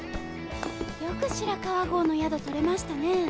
よく白川郷の宿取れましたねえ。